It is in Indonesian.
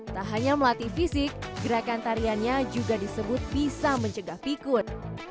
tak hanya melatih fisik gerakan tariannya juga disebut bisa mencegah fikun